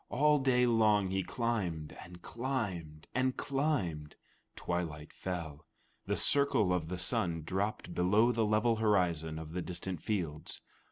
All day long he climbed and climbed and climbed. Twilight fell. The circle of the sun dropped below the level horizon of the distant fields.